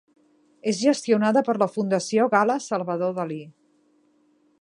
És gestionada per la Fundació Gala-Salvador Dalí.